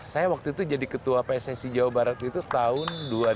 saya waktu itu jadi ketua pssi jawa barat itu tahun dua ribu dua